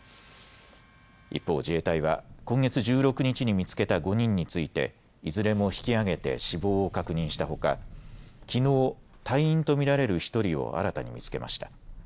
一方、自衛隊は今月１６日に見つけた５人についていずれも引きあげて死亡を確認したほかきのう隊員と見られる１人を新たに見つけました。